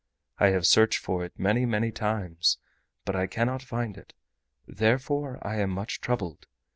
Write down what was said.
I have searched for it many, many times, but I cannot find it, therefore I am much troubled.